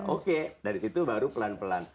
oke dari situ baru pelan pelan